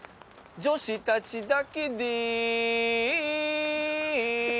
「女子たちだけでえ」